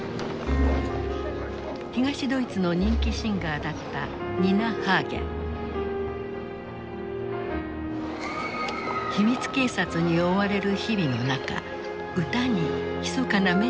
東ドイツの人気シンガーだった秘密警察に追われる日々の中歌にひそかなメッセージを込めた。